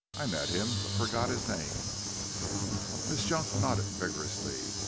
I met him, but forgot his name." Miss Junk nodded vigorously.